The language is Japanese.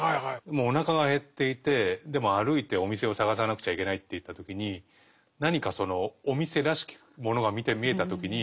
もうおなかが減っていてでも歩いてお店を探さなくちゃいけないっていった時に何かそのお店らしきものが見えた時にここはレストランだと。